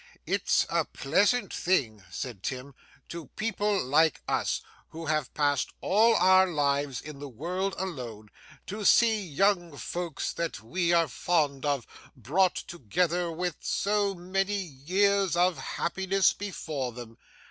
'It's a pleasant thing,' said Tim, 'to people like us, who have passed all our lives in the world alone, to see young folks that we are fond of, brought together with so many years of happiness before them.